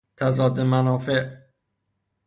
تضاد منافع